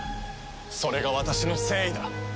それが私の誠意だ！